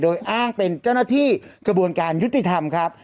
โดยอ้างเป็นเจ้าหน้าที่กระบวนการยุติธรรมครับ